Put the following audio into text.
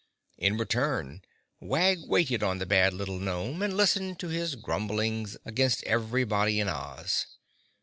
In return, Wag waited on the bad little gnome and listened to his grumblings against everybody in Oz.